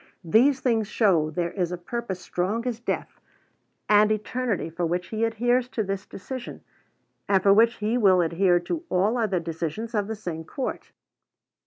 These things show there is a purpose strong as death and eternity for which he adheres to this decision, and for which he will adhere to all other decisions of the same court.